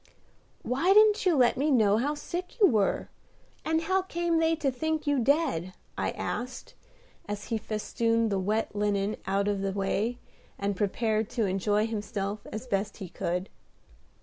"Why didn't you let me know how sick you were? And how came they to think you dead?" I asked, as he festooned the wet linen out of the way, and prepared to enjoy himself as best he could.